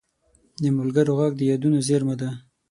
د ملګرو غږ د یادونو زېرمه ده